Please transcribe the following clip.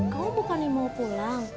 kamu bukannya mau pulang